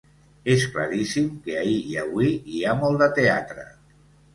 És claríssim que ahir i avui hi ha molt de teatre.